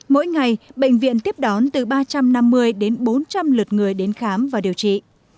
mỗi ngày bệnh viện tiếp đón từ ba trăm năm mươi đến bốn trăm linh lượt người đến khám và điều trị